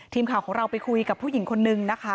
ทีมข่าวของเราไปคุยกับผู้หญิงคนนึงนะคะ